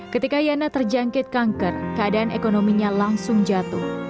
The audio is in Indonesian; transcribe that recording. ketika yana terjangkit kanker keadaan ekonominya langsung jatuh